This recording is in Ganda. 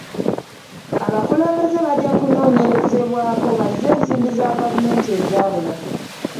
Abakulembeze bajja kunoonyerezebwako bazze ensimbi za gavumenti ezaabula.